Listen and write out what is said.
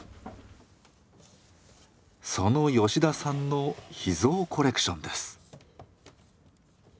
その吉田さんの秘蔵コレクションです。